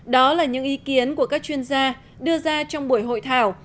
đó là những ý kiến của các chuyên gia đưa ra trong buổi hội thảo